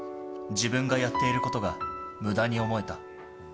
自分がやっていることがむだに思えた。